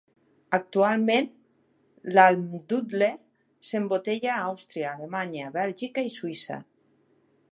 Actualment l'Almdudler s'embotella a Àustria, Alemanya, Bèlgica i Suïssa.